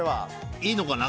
いいのかな？